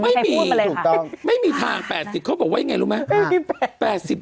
ไม่มีไม่มีทาง๘๐เขาบอกว่ายังไงรู้ไหม